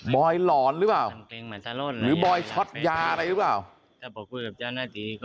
อยหลอนหรือเปล่าหรือบอยช็อตยาอะไรหรือเปล่า